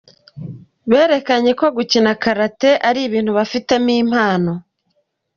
Berekanye ko gukina karati ari ibintu bafitemo impano.